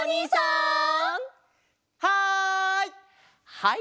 はい。